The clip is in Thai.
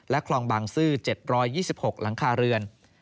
คลองบางซื่อ๗๒๖หลังคาเรือน